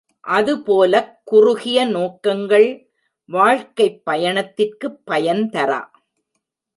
அதுபோலக் குறுகிய நோக்கங்கள் வாழ்க்கைப் பயணத்திற்குப் பயன்தரா.